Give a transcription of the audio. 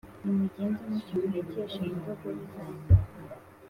nimugenze mutya muhekeshe indogobe zanyu